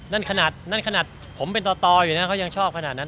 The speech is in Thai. นั่นขนาดนั่นขนาดผมเป็นต่ออยู่นะเขายังชอบขนาดนั้น